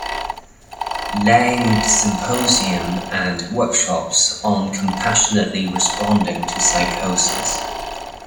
Laing Symposium and workshops on compassionately responding to psychosis.